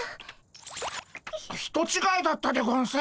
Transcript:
人ちがいだったでゴンス。